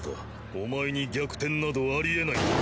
お前に逆転などありえない。